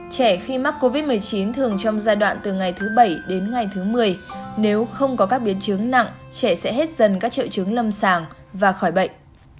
trẻ khi mắc covid một mươi chín thường trong giai đoạn từ ngày thứ bảy đến ngày thứ một mươi nếu không có các biến chứng nặng trẻ sẽ hết dần các triệu chứng lâm sàng và khỏi bệnh